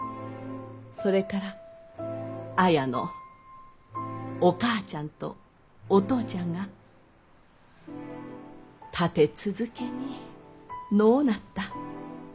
それから綾のお母ちゃんとお父ちゃんが立て続けに亡うなった。